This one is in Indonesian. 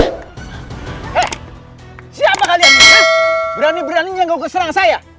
hei siapa kalian berani beraninya ngegeserang saya